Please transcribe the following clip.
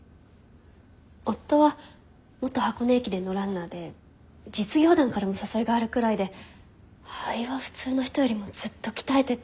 夫は元箱根駅伝のランナーで実業団からも誘いがあるくらいで肺は普通の人よりもずっと鍛えてて。